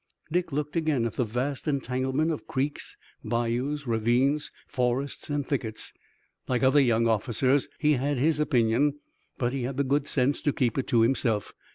Dick looked again at the vast entanglement of creeks, bayous, ravines, forests and thickets. Like other young officers, he had his opinion, but he had the good sense to keep it to himself.